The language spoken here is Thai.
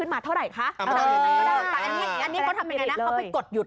อำลังให้ดู